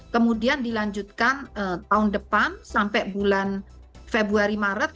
kemudian dilanjutkan tahun depan sampai bulan februari maret